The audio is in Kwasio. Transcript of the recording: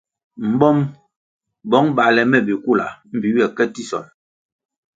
Mbom, bong bale me bikula mbpi ywe ke tisonʼ.